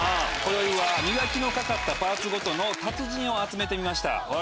今宵は磨きのかかったパーツごとの達人を集めてみました。